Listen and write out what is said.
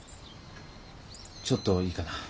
ちょっといいかな。